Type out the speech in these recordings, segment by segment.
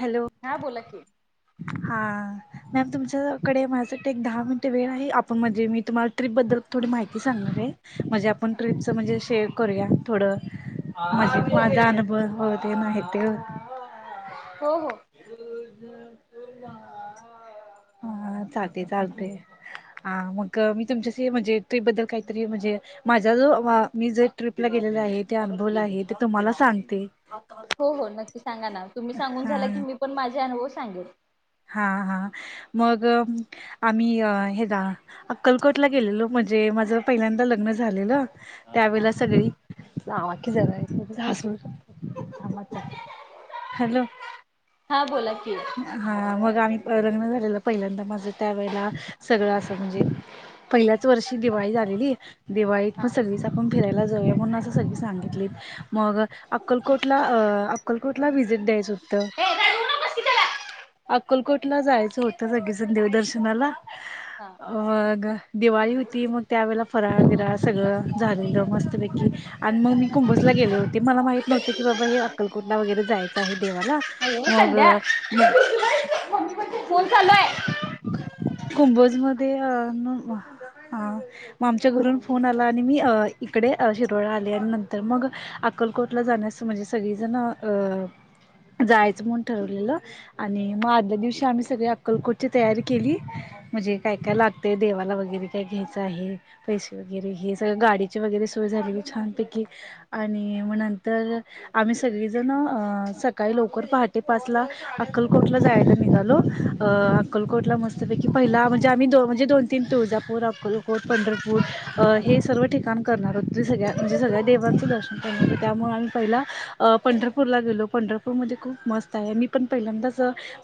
Hello! हा बोला की ह. हा मॅम तुमच्याकडे माझ्यासाठी एक दहा मिनिट वेळ आहे आपण मध्ये मी तुम्हाला ट्रीप बद्दल थोडी माहिती सांगणार आहे म्हणजे आपण ट्र्रीपचं म्हणजे शेअर करूया थोडं. म्हझे हो माझा अनुभव होते नाही ते. हो हो. हा चालते चालते. ह मग मी तुमच्याशी म्हणजे ट्रिप बद्दल काहीतरी म्हणजे? माझ्या जो मी जे ट्रिपला गेलेल आहे ते अनुभवला आहे ते तुम्हाला सांगते. हो हो नक्की सांगा ना तुम्ही सांगून झाला की हा मीण माझे अुभव सांगेल. हा हा मग आम्ही अ हे जा. अक्कलकोटला गेलेलो म्हणजे माझं पहिल्यांदा लग्न झालेलं हा त्यावेेळेला हा. सगळी. लावा की जरा हॅलो. हा बोला की. [unintelligible] हा मग आम्ही लग्न झालेलं पहिल्यांदा माझं त्या वेळेला सगळं असं म्हणजे? पहिल्याच वर्षी दिवाळी झालेली दिवाळीत म हा. सगळी. आपण फिरायला जाऊया म्हणून असं सगळी सांगितलीत. मग अक्कलकोटला अ अक्कलकोटलां द्यायचं होतं. हे रडवू नकोस की त्याला. अकोलकोटला जायचं होतं सगळेजण देवदर्शनाला हा. र दिवाळी होती मग त्यावेळेला फराळ बीराळ सगळं झालेलं मस्तपैकी आणि मग मी कुंभसला गेले होते मला माहीत नव्हत की बाबा हे अक्कलकोंडला वगैरे जायचं आहे देवाला अयो मग संध्या मग मम्मी पणती फोन झालोय. कुंभोज मध्ये अ. मग आमच्या घरून फोन आला आणि मी इकडे शिरवळा आले आणि नंतर मग अक्कलकोटला जाण्यास म्हणजे सगळीजण अ जायचं म्हण ठरवलेलं. आणि मग आदल्या दिवशी आम्ही सगळे अक्कलकोटची तयारी केली. म्हणजे काय काय लागतेय देवाला वगैरे काय घ्यायचं आहे. पैसे वगैरे हे सगळ गाडीची वगैरे सोय झाली छानपैकी आणि नंतर आम्ही सगळीजण अ सकाळी लवकर पहाटे पाचला अक्कलकोटला जायला निघालो अ अक्कलकोटला मस्तपैकी पहिला म्हणजे आम्ही दो म्हणजे दोन तीन टूज होर आपक होर पंढरपूर हे सर्व ठिकाण करणार होते सगळ्या म्हणजे सगळ्या देवांचं दर्शन करणार होत त्यामुळे आम्ही पहिला पंढरपूरला गेलो पंढरपूरमध्ये खूप मस्त मी पण पहिल्यांदाच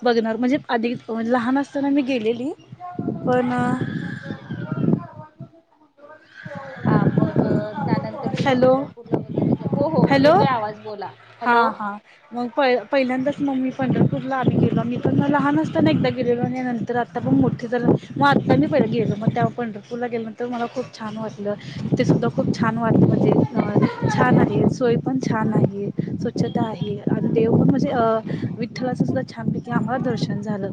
बघनार म्हणजे अधिक लहान असताना मी गेलेली. पण हा मग त्यानंतर तुम्ही हॅलो पंढरपूरला वगैरे जा हो हो हॅलो येतोय आवाज बोला. हा हॅलो. हा मग प पहिल्यांदा मग् ममी पंढरपूरला आम्ही गेलो मी पण लहान असताना एकदा गेलेलो आणि नंतर आता पण मोठे झारा. मग आत्ता मी पहिले गेल मग त्याव पंढरपूरला गेलो नंतर मला खूप छान वाटलं ति ते सुद्धा खूप छान वाट म्हणजे अ छान आहे सोय पण छान आहे स्वच्छता आहे आणि देव पण म्हणजे अ विठ्ठलाच सुद्धा छानपैकी आम्हाला दर्शन झालं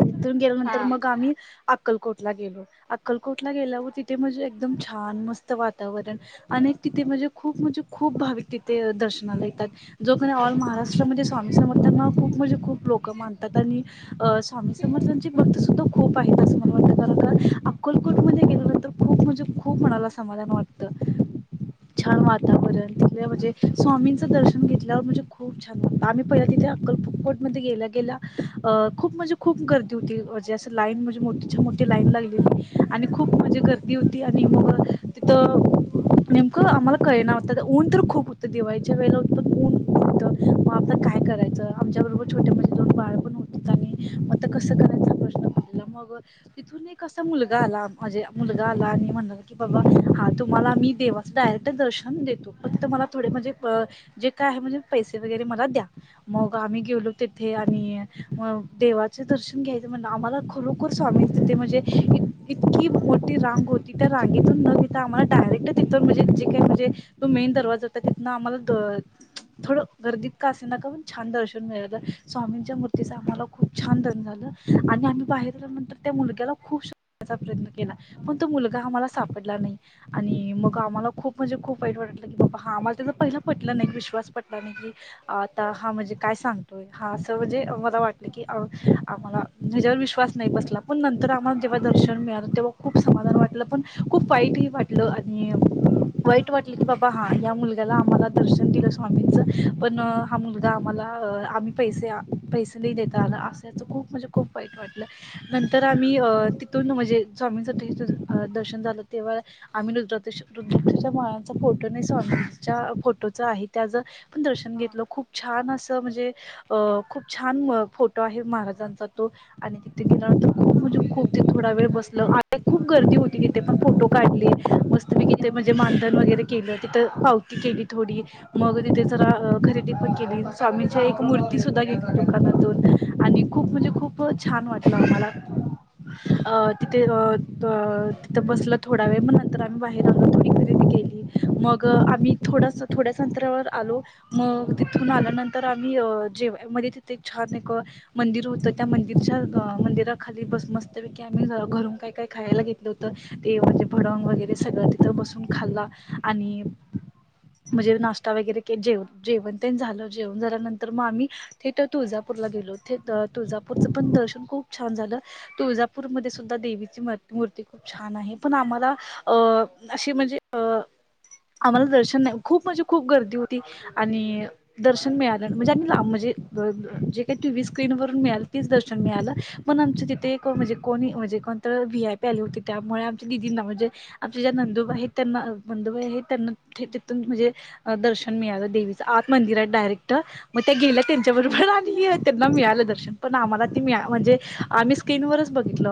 तथून गेल्यानंतर हा. मग आम्ही अक्कलकोटला गेलो अक्कलकोटला गेल्यावर तिथे म्हणजे एकदम छान मस्त वातावरण अनेक तिथे म्हणजे खूप म्हणजे खूप भाविक तिथे दर्शनाला येतात. जो कणी ऑल महाराष्ट्रमध्ये स्वामी समर्थांना खूप म्हणजे खूप लोक मानतात आणि स्वामी समर्थांची भक्त सुद्धा खूप आहेत असं मला वाटतं त्यानंतर अक्कलकोटमध्ये गेल्यानंतर खूप म्हणजे खूप मनाला समाधान वाटतं. छान वातावरण तथले म्हणजे स्वामींचं दर्शन घेतल्यावर म्हणजे खूप छान वाटत आम्ही. पहिले तिथे अक्कलकोट मध्ये गेला गेला खूप म्हणजे खूप गर्दी होती. लाईन म्हणजे मोठी मोठी लाईन लागलेली आणि खूप म्हणजे गर्दी होती आणि मग तिथं नेमकं आम्हाला कळना होतं ऊन तर खूप होतं दिवाळीच्या वेळेला ऊन होत मग आता काय? काय करायचं आमच्या बरोबर छोटे मोठे दोन बाळ पण होत आणि मग कसं करायचा प्रश्न पडला. मग तिथून कसा मुलगा आला म्हणजे मुलगा आला आणि म्हणाला की बाबा हा तुम्हाला मी देवाच डायरेक्ट दर्शन देतो फक्त मला थोडे म्हणजे जे काय आहे म्हणजे पैसे वगैरे मला द्या मग आम्ही गेलो तिथे आणि अ देवाचे दर्शन घ्यायचे म्हणजे आम्हाला खरोखर स्वामी ते म्हणजे इतकी मोठी रांग होती त्या रांगेतून न नेता आम्हाला डायरेक्ट तिथून म्हणजे जे काय म्हणजे तो मेन दरवाजा होता तिं आम्हाला थोडं गर्दीत का अस ण छान दर्शन मिळालं स्वामींच्या मूर्तीच आम्हाला खूप छान दर्शन झालं आणि आम्ही बाहेर त्या मुलग्याला खूप शोधण्याचा प्रयत्न केला पण तो मुलगा आम्हाला सापडला नाही. आणि मग आम्हाला खूप म्हणजे खूप वाईट वाटलं की बाबा हा आम्हाला त्याचा पहिला पटलं नाही विश्वास पटला नाही की आता हा म्हणजे काय सांगतोय. हा असं म्हणजे मला वाटलं की आम्हाला ह्याचावर विश्वास नाही बसला. पण नंतर आम्हाला जेव्हा दर्शन मिळालं तेव्हा खूप समाधान वाटलं पण खूप वाईटही वाटलं आणि वाईट वाटलं की बाबा हा या मुलग्यान आम्हाला दर्शन दिलं स्वामींचं पण हा मुलगा आम्हाला आम्ही पैसे पैसे नाही देता आला असाचं खूप म्हणजे खूप वाईट वाटलं. नंतर आम्ही अ तिथून म्हणजे स्वामींसाठी तीथून दर्शन झालं तेव्हा आम्ही रुद्रते रुद्रतेच्या मुळांचा फोटो नाही सवनच्या फोटोच आहे त्याच पण दर्शन हा. घेतलं खूप छान असं म्हणजे अ खूप छान फोटो आहे महाराजांचा तो. आणि तिथे गेल्यानंतर खूप म्हणजे खूप थोडा वेळ बसलो आणि खूप गर्दी होती तिथे पण फोटो काढले. मस्त पैकी म्हणजे मानधन वगैरे केलं तिथं पावती केली थोडी. मग तिथे जरा खरेदी पण केली. ली स्वामीच्या एक मूर्ती सुद्धा घेतली दुकानातून आणि खूप म्हणजे खूप छान वाटलं आम्हाला. अ तिथे अ तिथं बसलं थोडा वेळ मग नंतर आम्ही बाहेर आलो थोडी खरेदी केली मग आम्ही थोड थोड्या अंतरावर आलो मग तथून आल्यानंतर आम्ही जेव मध्ये तिथे एक छान एक मंदिर होत त्या मंदिरच्या मंदिरा खाली बसून मस्तपैकी आम्ही घरून काही काय खायला घेतलं होत. देवाचे भडंग वगैरे सगळं तिथ बसून खाल्ला आणि म्हणजे नाश्ता वगैरे जेव जेवण ते झालं जेवण झाल्यानंतर मग आम्ही तीथ तर तुळजापूरला गेलो तुळजापूरचं पण दर्शन खूप छान झालं. तुळजापूरमध्ये सुद्धा देवीची मूर्ती खूप छान आहे पण आम्हाला अ अशी म्हणजे अ आम्हाला दर्शन नाही खूप म्हणजे खूप गर्दी होती. आणि दर्शन मिळालं म्हणजे आणि ला म्हणजे जे काही टी व्ही स्क्रीन वरून मिळालं तेच दर्शन मिळालं. पण आमचं तिथे कोण म्हणजे कोणी म्हणजे कोणतं व्ही आय पी आली होती त्यामुळे आमच्या तीघींना म्हणजे आमचे ज्या नंदुबाई आहेत त्यांना नंदुबाई आहेत त्यांना तिथून म्हणजे दर्शन मिळालं देवीचं आत मंदिरात डायरेक्ट. मग त्या गेल्या त्यांच्याबरोबर आणि त्यांना मिळालं दर्शन पण आम्हाला ते मिळा म्हणजे आम्हीच स्क्रीनवरच बघितलं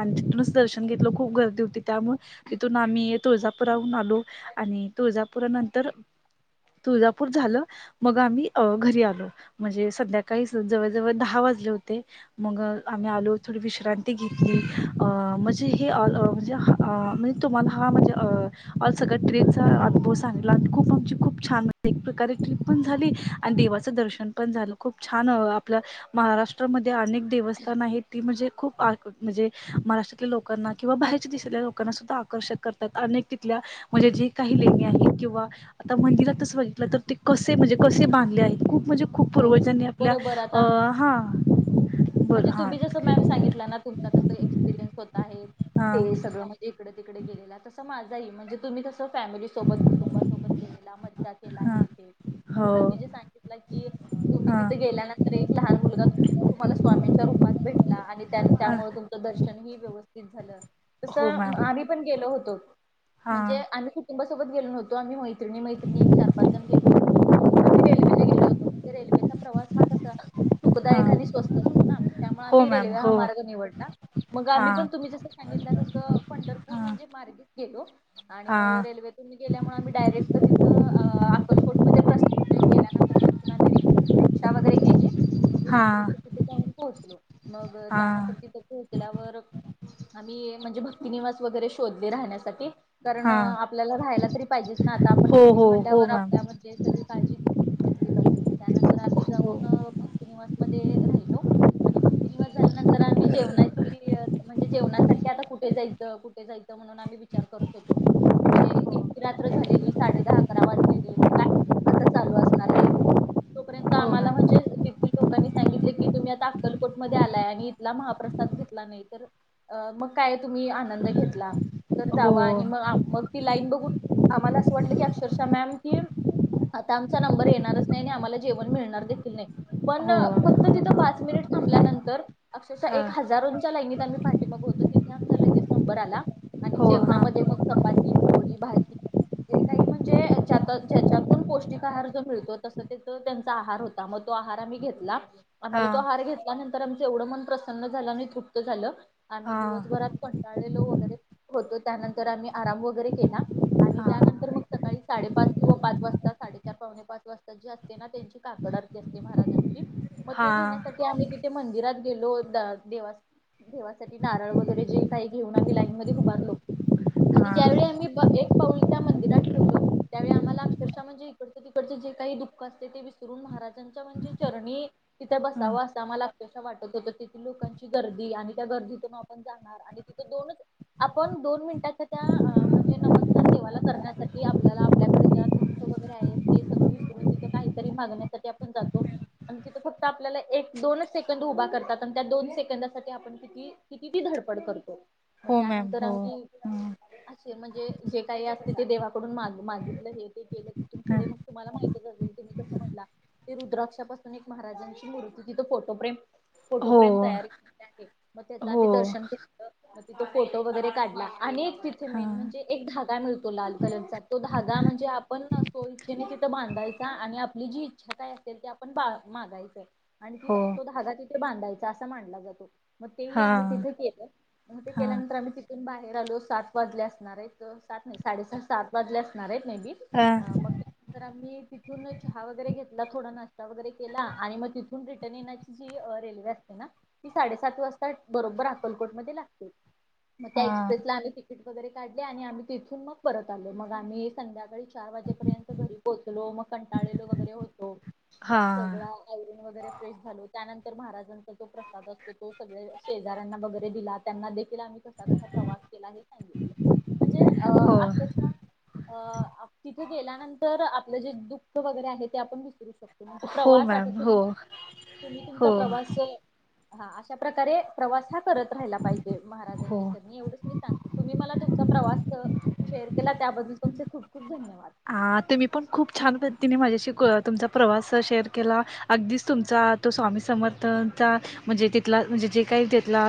आणि तिथूनच दर्शन घेतलं खूप गर्दी होती. त्यामुळे तिथून आम्ही तुळजापूरहून आलो आणि तुळजापूरात पुरत नंतर तुळजापूर झालं. मग आम्ही घरी आलो म्हणजे संध्याकाळी जवळ जवळ दहा वाजले होते. मग आम्ही आलो थोडी विश्रांती घेतली अ म्हणजे हे म्हणजे अ म्हणजे तुम्हाला हा माणजेऑल सगळ्या ट्रेचा अनुभव सांगितला आणि खूप आमची खूप छान एक प्रकारे ट्र्रीप पण झाली आणि देवाचं दर्शन पण झालं खूप छान आपलं महाराष्ट्रामध्ये अनेक देवस्थान आहेत ती म्हणजे खूप आ म्हणजे महाराष्ट्रातल्या लोकांना किंवा बाहेरच्या देशातल्या लोकांना सुद्धा आकर्षक करतात अनेक तिथल्या म्हणजे जे काही लेणी आहे किंवा आता मंदिरातच बघे तर ते कसे म्हणजे कसे बांधले आहेत खूप म्हणजे खूप होय पूर्वजांनी आपल्या बरोबर आता हां बरं हां सगित तु कस एक्सपिरियन्स होत आहे हा ते सगळं इकडे तिकडे गेलेला तं माझाही म्हणजे तुम्ही तसं फॅमिली सोबत कुटुंबासोबत गेलेला मज्जा केला हा आहे ते म्हणून हो तुम्ही जे सांगितलं की तुम्ही हा तिथे गेल्यानंतर एक लहान मुलगा तुम्हाला स्वामींच्या रूपात भेटला आणि ह त्यामुळे तुमचं दर्शनही व्यवस्थित झालं हो तसं मॅम आम्ही पण गेलो होतो हा म्हणजे आम्ही कुटुंबासोबत गेलो नवतो आम्ही मा मैत्रिणी मैत्रणी एक चार पाच जण गेो होतो आम्ही रेल्वेने गेलो होतो रेल्वेचा प्रवास हा कसा हा सुखदायक आणि स्वस्त असतो ना त्यामुळे हो आम्ही मॅम रेल्वे हा हो मार्ग निवडता मग हा आम्ही पण तुम्ही जसं सांगितलं तसं पंढरपूर हा म्हणजे मार्गेच गेलो आणि हा मग रेल्वे तुम्ही गेल्यामुं आम्ही डायरेक्ट तर तिथं अकलकोटमध्ये प्रसन गेल्यानंतर तिथ ही रिक्षा वगैरे केली म हा रात्री तर तिथे जाऊन पोहोचलो मग हा त्यानंतर तिथं खूप त्याल्यावर आम्ही म्हणजे भक्तिनिवास वगैरे शोधले राहण्यासाठी कारण हा आपल्याला राहायला तरी पाहिजेच ना आता आपण हो लेडीज हो हो म्हणल्यावर मॅम आपल्या म्हण ते स काळजी घेतली त्यानंतर आम् हो जाऊन भक्तीनवास म राहिलो आणि झाल्यानंतर आम्ही जेवणाची े जेवणासारखे आता कुठे जायचं कुठे जायचं म्हणून आम्ही विचार करत होतो म्हणजे इतकी रात्र झालेली साडे दहा अकरा वाजलेली मग काय आता चालू असणार हे तोपर्यंत हो आम्हाला मॅम म्हणजे देख लोकांनी सांगितले की तुम्ही आता अक्कलकोट मध्ये आलाय आणि ला महाप्रसाद घेतला नाही तर अ मग काय तुम्ही आनंद घेतला तर हो जावा आणि मग मग ती लाईन बघू आम्हाला असं वाटलं की अक्षरशः मॅम की आता आमचा नंबर येणारच नाही नाही आम्हाला जेवण मिळणार देखील नाही पण हो फक्त तिथं पाच मिनिट थांबल्यानंतर अक्षरशः ह एक हजारोंच्या लाईनत आम्ही ठी मग होत तिथे आमचा लगेज नंबर आला आणि हो हा जेवणामध्ये मग चपाती पोळी भाजी ते काही म्हणजे ज ज्याच्यातून पौष्टिक आहार जो मिळतो त त्यांचा आहार होता मग तो आह आम्ही घेतला हा आम्हाला तो आहार घेत त्यानंतर आमचं एवढं मन प्रसन्न झालं आणि तृप्त झालं आम्ही हा दिवसभरात पंटाळलेलो वगैरे होतो त्यानंतर आम्ही आराम वगैरे केला आणि हा त्यानंतर मग सकाळी साडेपाच किंवा पाच वाजता साडेचार पावणे पाच वाजता अस ना त्यांची काकडरती असते महाराजांची म ते हा घेण्यासाठी ते आम्ही तिथे मंदिरात गेलो द देवास् देवासाठी नारळ वगैरे जे काही घेऊन आम्ही लाईन मध्ये उबारलो आणि ज्यावेळी आम्ही ब एक पाऊल त्या मंदिरात ठेवलो त्यावेळी आम्हाला अक्षष म्हणजे इकडच तिकडचे जे काही दुःख असते ते विसरून महाराजांच्या म्हणजे चरणी तिथ हा बसावं असा मला अक्षशा वाटत होत तिथे लोकांची गर्दी आणि त्या गर्दीतून ण जाणार आणि तिथं दोनच आपण दोन मिनिटाच्या त्या म्हणजे नमस्कार देवाला करण्यासाठी आपल्याला आपल्याकडे ज्या वगैरे आहे ते सगळं विसरून तिथं काहीतरी मागण्यासाठी आपण जातो आणि तिथं फक्त आपल्याला एक दोनच सेकंंद उभा करतात आणि त्या दोन सेकंदासाठी आपण ि किती धडपड करतो मग हो मॅम त्यानंतर हो आम्ही असे म्हणजे जे काही असते ते देवाकडून माग मागितलं हे ते केलं तिथून ह पुढे मग तुम्हाला माहि कसं म्हणलं ते रुद्राक्षापासून एक महाराजांची मूर्ती तिथं फोटोप्रेम फोटो हो फ्रेम तयारी केली आहे मग त्याच हो आम्ही दर्शन घेतलं हो मग तिथो फोटो वगैरे काढला आणि एक तिथे मेन हां म्हणजे एक धागा मिळतो लाल कलरचा तो धागा म्हणजे आपणो इच्छेने तिं बांधाच आपली जी इच्छा काय असेल त आपण मागायच आणि त हो तो धागा बांधायचा असा मानला जातो मग तेही आम्ही हां तिथे केलं मग ते हां केल्यानंतर आम्हीथ पण बाहेर आलो सात वाजले असणार आहेत सात नाही साडेसात सात वाजले असणार आहेत मे बी अ हा मग त्यानंतर आम्ही तिथून चहा वगैरे घेतला थोडा नाश्ता वगैरे केला आणि मग तिथून रिटर्न येण्याची जी रेल्वे असते ना ती साडेसात वाजता बरोबर अक्कलकोटमध्येध्ये लागते मग त्या हां एक्सप्रेसला आम्ही तिकीट वगैरे काढले आणि आम्ही तिथून मग परत आलो मग आम्ही संध्याकाळी चार वाजेपर्यंत घरी पोहोचलो मग कंटाळलो वगैरे होतो मग सगळा हां आयवरण वगैरे फ्रेश झालो त्यानंतर महाराजांचा जो प्रसाद असतो तो सगळे शेजाऱ्यांना वगैरे दिला त्यांना देखील आम्ही कसा कसा प्रवास केला हे सांगितलं म्हणजे अ हो अक्षर्श तिथे गेल्यानंतर आपलं जे दुः वगैरे आहे ते आपण विसरू शको म्हणजे हो प्रवास आता मॅम तुम्ही हो तुम्ही तुमचा हो प्रवास हा अशा प्रकारे प्रवास हा करत राहाला पाहिजे हो महाराजांच्या चरणी एवढंच मी सांगते तुम्ही मला तुमचा प्रवास शेअर केला त्याबद्दल तुमचे खूप खूप धन्यवाद ह तर मी पण खूप छान पद्धतीने माझ्याशी तुमचा प्रवास शेअर केला अगदीच तुमचा तो स्वामी समर्थनचा म्हणजे तिथला म्हणजे जे काही तिथला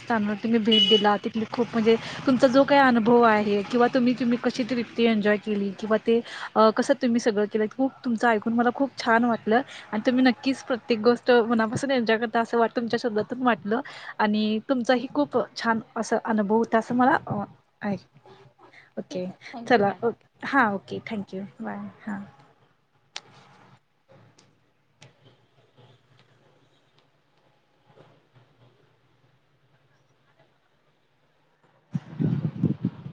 स्थानावर तु मी भेट दिला ती खूप म्हणजे तुमचा जो काही अनुभव आहे किंवा तुम्ही तुम्ही कशी त्रिप्ती एन्जॉय केली किंवा ते कसं तुम्ही सगळं केलं खूप तुमचं ऐकून मला खूप छान वाटलं आणि तुम्ही नक्कीच प्रत्येक गोष्ट मनापासून एन्जॉय करता असं वाट तुमच्या शब्दातून वाटलं आणि तुमचा ह खूप छान असं अनुभव होता असं मला आहे ओके ठीक आहे थँक्यू चला मॅम ओके हां ओके थँक्यू बाय हां